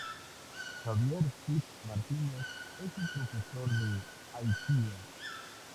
Javier Cid Martínez es un profesor de Aikido.